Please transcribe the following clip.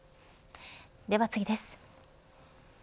では次です。